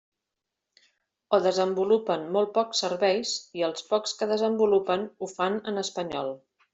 O desenvolupen molt pocs serveis i els pocs que desenvolupen ho fan en espanyol.